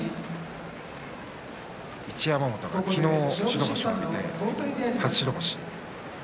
一山本が昨日、白星を挙げて初白星。